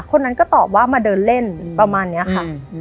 คนนั้นก็ตอบว่ามาเดินเล่นประมาณนี้ค่ะ